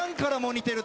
似てる。